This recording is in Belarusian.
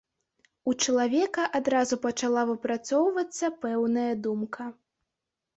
У чалавека адразу пачала выпрацоўвацца пэўная думка.